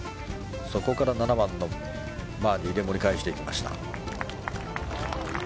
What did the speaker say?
そこから７番のバーディーで盛り返していきました。